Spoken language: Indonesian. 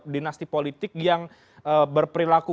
dinasti politik yang berperilaku